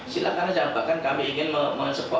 silakan aja bahkan kami ingin mengecepoh